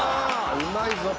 うまいぞと。